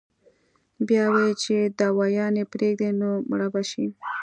بيا وائي چې دوايانې پرېږدي نو مړه به شي -